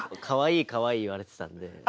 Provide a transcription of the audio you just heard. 「かわいいかわいい」言われてたんで。